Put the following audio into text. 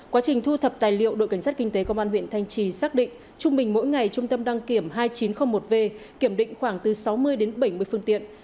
quá trình thu thập tài liệu đội cảnh sát kinh tế công an huyện thanh trì xác định trung bình mỗi ngày trung tâm đăng kiểm hai nghìn chín trăm linh một v kiểm định khoảng từ sáu mươi đến bảy mươi phương tiện